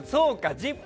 「ＺＩＰ！」